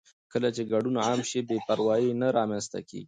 کله چې ګډون عام شي، بې پروايي نه رامنځته کېږي.